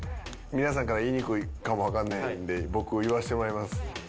皆さんから言いにくいかもわからないんで僕言わせてもらいます。